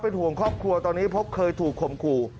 ห่วงครอบครัวตอนนี้เพราะเคยถูกข่มขู่